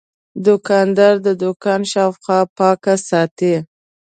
دوکاندار د دوکان شاوخوا پاک ساتي.